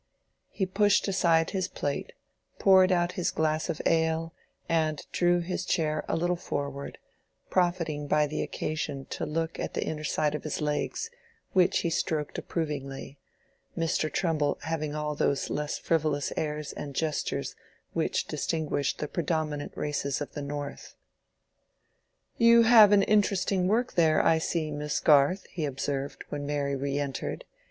He pushed aside his plate, poured out his glass of ale and drew his chair a little forward, profiting by the occasion to look at the inner side of his legs, which he stroked approvingly—Mr. Trumbull having all those less frivolous airs and gestures which distinguish the predominant races of the north. "You have an interesting work there, I see, Miss Garth," he observed, when Mary re entered.